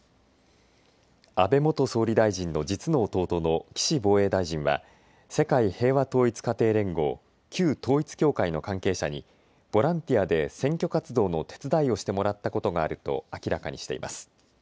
安倍元総理大臣の実の弟の岸防衛大臣は世界平和統一家庭連合、旧統一教会の関係者にボランティアで選挙活動の手伝いをしてもらったことがあると明らかにしています。